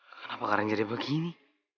kenapa karang jadi begini